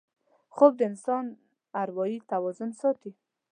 خوب د انسان اروايي توازن ساتي